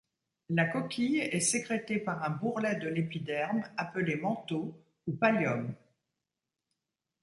La coquille est sécrétée par un bourrelet de l’épiderme appelé manteau ou pallium.